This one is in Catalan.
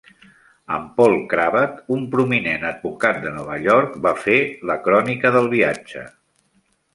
En Paul Cravath, un prominent advocat de Nova York, va fer la crònica del viatge.